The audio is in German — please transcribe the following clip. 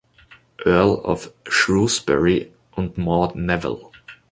Earl of Shrewsbury und Maud Nevill.